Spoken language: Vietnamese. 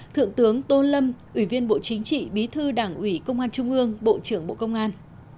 thượng tướng tô lâm ủy viên bộ chính trị bí thư đảng ủy công an trung ương bộ trưởng bộ công an